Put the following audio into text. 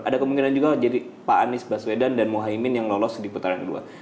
ada kemungkinan juga jadi pak anies baswedan dan muhaymin yang lolos di putaran kedua